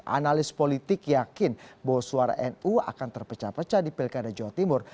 analis politik yakin bahwa suara nu akan terpecah pecah di pilkada jawa timur